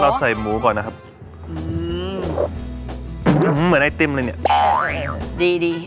ก็ใส่หมูก่อนนะครับเหมือนไอติ้มอะไรเนี้ยดีดี